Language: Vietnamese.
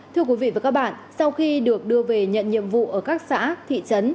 thưa quý vị và các bạn sau khi được đưa về nhận nhiệm vụ ở các xã thị trấn